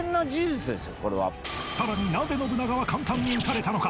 さらになぜ信長は簡単に討たれたのか？